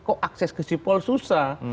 kok akses ke sipol susah